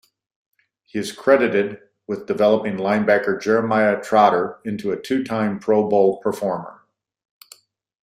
He is credited with developing linebacker Jeremiah Trotter into a two-time Pro Bowl performer.